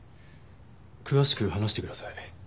詳しく話してください。